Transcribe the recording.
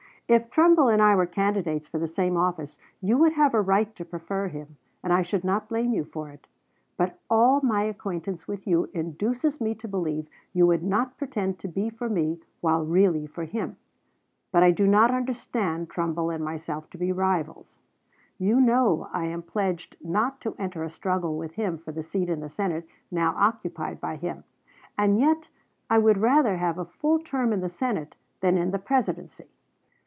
"If Trumbull and I were candidates for the same office you would have a right to prefer him, and I should not blame you for it; but all my acquaintance with you induces me to believe you would not pretend to be for me while really for him. But I do not understand Trumbull and myself to be rivals. You know I am pledged not to enter a struggle with him for the seat in the Senate now occupied by him; and yet I would rather have a full term in the Senate than in the Presidency."